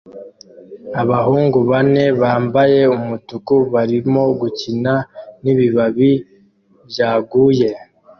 Abahungu bane bambaye umutuku barimo gukina nibibabi byaguye